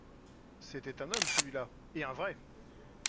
C’était un homme celui-là, et un vrai!